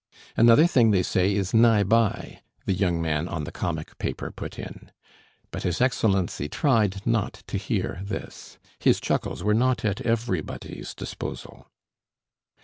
"Another thing they say is nigh by," the young man on the comic paper put in. But his Excellency tried not to hear this. His chuckles were not at everybody's disposal.